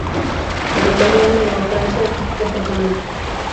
La localidad de Nueva Francia, Dpto.